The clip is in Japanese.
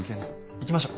行きましょう。